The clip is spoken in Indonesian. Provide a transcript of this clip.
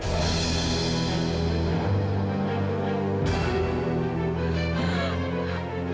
jantung aida kubat